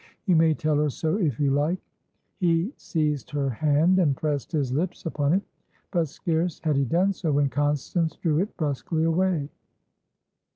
"You may tell her so, if you like." He seized her hand, and pressed his lips upon it. But, scarce had he done so, when Constance drew it brusquely away.